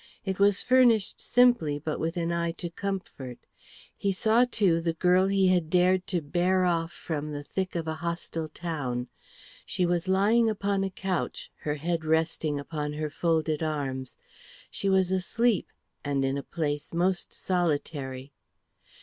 It was furnished simply, but with an eye to comfort. He saw too the girl he had dared to bear off from the thick of a hostile town. She was lying upon a couch, her head resting upon her folded arms. She was asleep, and in a place most solitary.